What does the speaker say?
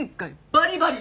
バリバリ！